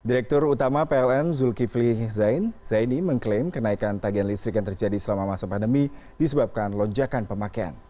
direktur utama pln zulkifli zaini mengklaim kenaikan tagihan listrik yang terjadi selama masa pandemi disebabkan lonjakan pemakaian